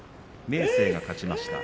明生が勝ちました。